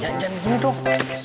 jangan jangan gini dong